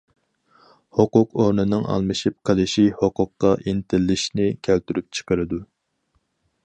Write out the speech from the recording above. ھوقۇق ئورنىنىڭ ئالمىشىپ قېلىشى ھوقۇققا ئىنتىلىشنى كەلتۈرۈپ چىقىرىدۇ.